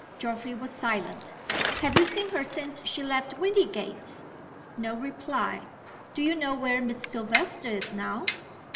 Geoffrey was silent. "Have you seen her since she left Windygates?" No reply. "Do you know where Miss Silvester is now?"